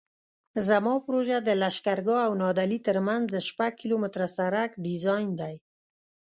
زما پروژه د لښکرګاه او نادعلي ترمنځ د شپږ کیلومتره سرک ډیزاین دی